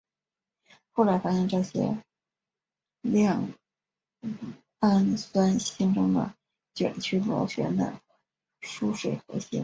后来发现这些亮氨酸形成了卷曲螺旋的疏水核心。